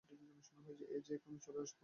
এই যে এখনই চলে আসবে, আব্বা!